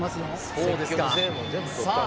そうですかさあ